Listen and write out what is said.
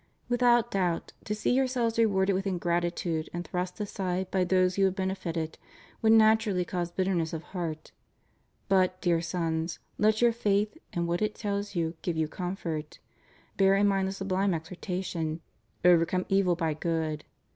Without doubt, to see yourselves rewarded with ingratitude and thrust aside by those you have benefited would naturally cause bitter ness of heart; but, dear Sons, let your faith, and what it tells you give you comfort. Bear in mind the sublime exhortation, Overcome evil by good.